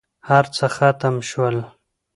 هرڅه ختم شول.